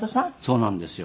そうなんですよ。